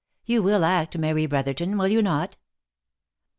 You will act, Mary Brotherton, will you not?"